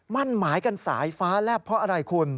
มั่นหมายกันสายฟ้าแลบเพราะอะไรคุณ